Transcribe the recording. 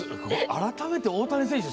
改めて大谷選手